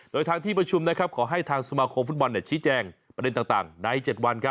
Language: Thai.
โดยทางที่ประชุมขอให้ทางสมาคมฟุตบอลชี้แจงประเด็นต่างใน๗วัน